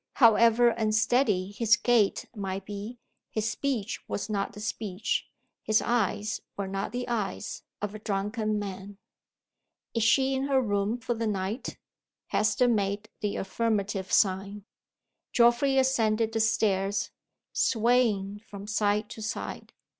However unsteady his gait might be, his speech was not the speech, his eyes were not the eyes, of a drunken man. "Is she in her room for the night?" Hester made the affirmative sign. Geoffrey ascended the st airs, swaying from side to side.